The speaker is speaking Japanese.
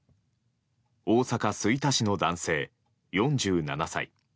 大阪・吹田市の男性、４７歳。